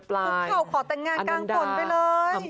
คุกเข่าขอแต่งงานกลางฝนไปเลย